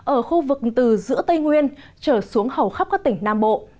ở khu vực từ giữa tây nguyên trở xuống hầu khắp các tỉnh nam bộ